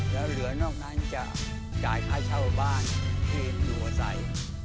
และเหลือนอกนั้นจะจ่ายค่าชาวบ้านเพียงหัวใส